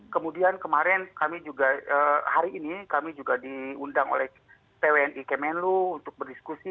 kemudian kemarin kami juga hari ini kami juga diundang oleh pwni kemenlu untuk berdiskusi